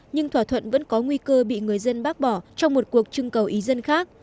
nhưng thỏa thuận vẫn có nguy cơ bị người dân bác bỏ trong một cuộc trưng cầu ý dân khác